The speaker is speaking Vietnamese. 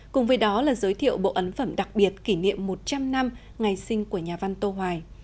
cùng với đó là giới thiệu bộ ấn phẩm đặc biệt kỷ niệm một trăm linh năm ngày sinh của nhà văn tô hoài